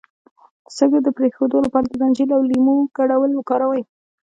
د سګرټ د پرېښودو لپاره د زنجبیل او لیمو ګډول وکاروئ